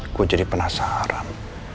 aku jadi penasaran